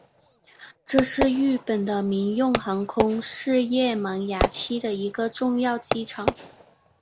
这是日本的民用航空事业萌芽期的一个重要机场。